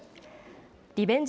リベンジ